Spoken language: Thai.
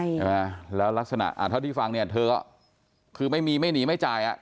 ใช่ไหมแล้วลักษณะอ่าเท่าที่ฟังเนี่ยเธอก็คือไม่มีไม่หนีไม่จ่ายอ่ะ